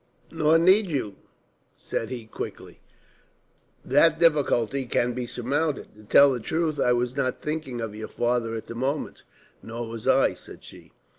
"Nor need you," said he, quickly. "That difficulty can be surmounted. To tell the truth I was not thinking of your father at the moment." "Nor was I," said she.